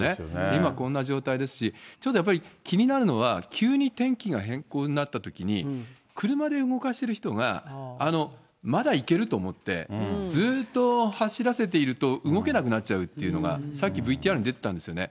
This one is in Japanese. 今、こんな状態ですし、ちょっとやっぱり気になるのは、急に天気が変更になったときに、車で動かせる人がまだ行けると思って、ずっと走らせていると動けなくなっちゃうっていうのが、さっきＶＴＲに出てたんですよね。